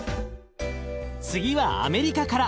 次はアメリカから。